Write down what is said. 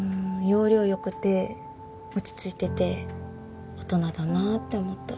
要領良くて落ち着いてて大人だなって思った。